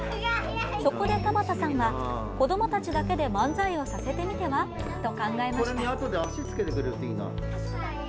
そこで、田畑さんは子どもたちだけで漫才をさせてみては？と考えました。